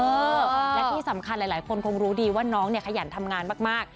และที่สำคัญหลายคนคงรู้ดีว่าน้องเนี่ยขยันทำงานมาก